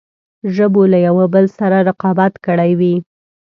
ژبو له یوه بل سره رقابت کړی وي.